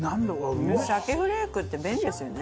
鮭フレークって便利ですよね。